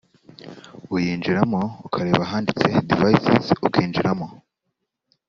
uyinjiramo ukareba ahanditse ’Devices’ ukinjiramo